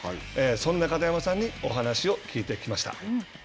そんな片山さんにお話を聞いてきました。